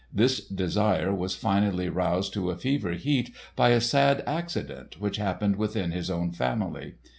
This desire was finally roused to a fever heat by a sad accident which happened within his own family.